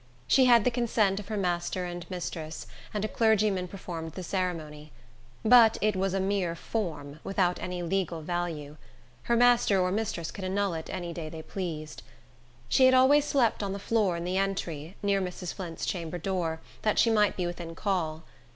She had the consent of her master and mistress, and a clergyman performed the ceremony. But it was a mere form, without any legal value. Her master or mistress could annul it any day they pleased. She had always slept on the floor in the entry, near Mrs. Flint's chamber door, that she might be within call.